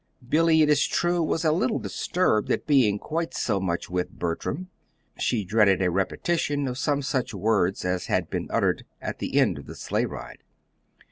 Billy, it is true, was a little disturbed at being quite so much with Bertram. She dreaded a repetition of some such words as had been uttered at the end of the sleigh ride.